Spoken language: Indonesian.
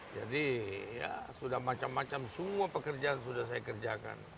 jadi ya sudah macam macam semua pekerjaan sudah saya kerjakan